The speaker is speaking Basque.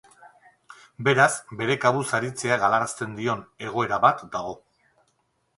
Beraz, bere kabuz aritzea galarazten dion egoera bat dago.